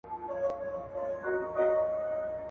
کار ته تمرکز د بریالیتوب لامل دی.